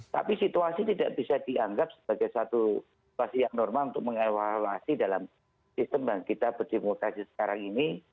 tapi situasi tidak bisa dianggap sebagai satu situasi yang normal untuk mengawalasi dalam sistem bangkita berdemokrasi sekarang ini